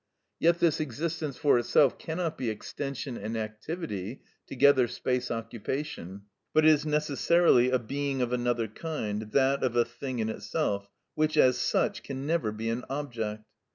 Yet this existence for itself cannot be extension and activity (together space occupation), but is necessarily a being of another kind, that of a thing in itself, which, as such, can never be an object.